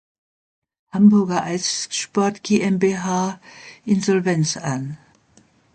Hamburger Eissport GmbH, Insolvenz an.